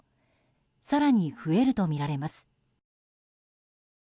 更に増えるとみられます。